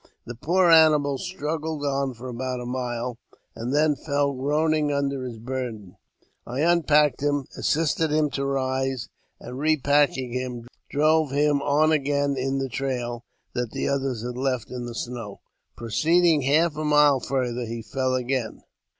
The poor animal struggled on for about a mile, and then fell groaning under his burden. I unpacked him, assisted him to rise, and, repacking him, drove him on again in the trail that the others had left in the snow. Proceeding half a mile further, he fell again.